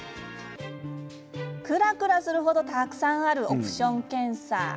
くらくらするほどたくさんあるオプション検査。